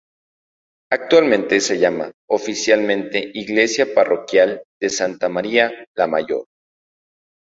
Actualmente se llama oficialmente Iglesia Parroquial de Santa María la Mayor.